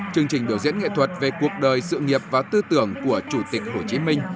chương trình biểu diễn nghệ thuật về cuộc đời sự nghiệp và tư tưởng của chủ tịch hồ chí minh